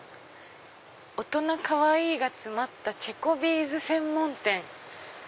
「大人かわいいが詰まったチェコビーズ専門店」。